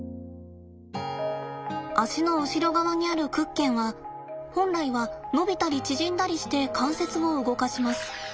足の後ろ側にある屈腱は本来は伸びたり縮んだりして関節を動かします。